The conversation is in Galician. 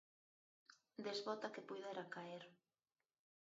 Desbota que puidera caer.